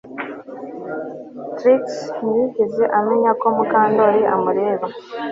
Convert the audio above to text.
Trix ntiyigeze amenya ko Mukandoli amureba